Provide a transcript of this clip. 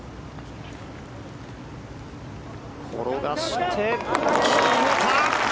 転がして、決めた！